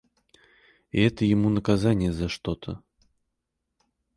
И это ему наказанье за что-то.